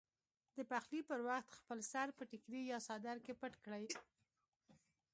د پخلي پر وخت خپل سر په ټیکري یا څادر کې پټ کړئ.